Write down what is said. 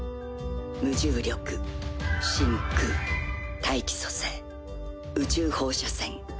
無重力真空大気組成宇宙放射線。